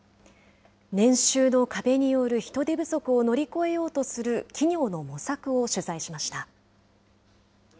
年収の壁による人手不足を乗り越えようとする企業の模索を取材しました。